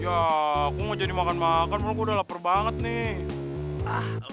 ya aku gak jadi makan makan malah gue udah lapar banget nih